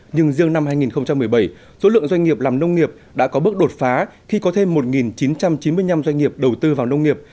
nhưng riêng năm hai nghìn một mươi bảy số lượng doanh nghiệp làm nông nghiệp đã có bước đột phá khi có thêm một chín trăm chín mươi năm doanh nghiệp đầu tư vào nông nghiệp